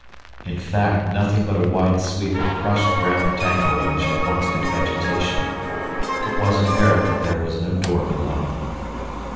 In fact nothing but a wide sweep of crushed brown tangle which had once been vegetation. It was apparent that there was no door below.